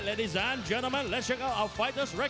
และในการกระชากแชมป์ที่๒ครับ